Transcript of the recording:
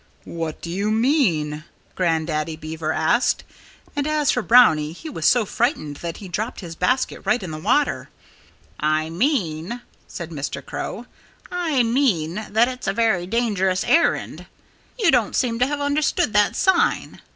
"What do you mean?" Grandaddy Beaver asked. And as for Brownie he was so frightened that he dropped his basket right in the water. "I mean " said Mr. Crow "I mean that it's a very dangerous errand. You don't seem to have understood that sign.